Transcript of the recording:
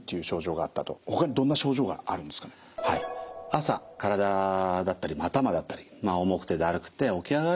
朝体だったり頭だったり重くてだるくて起き上がれない。